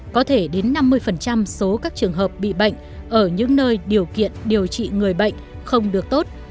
có thể đến năm mươi số các trường hợp bị bệnh ở những nơi điều kiện điều trị người bệnh không được tốt